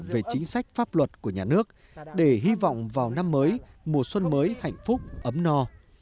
về chính sách pháp luật của nhà nước để hy vọng vào năm mới mùa xuân mới hạnh phúc ấm no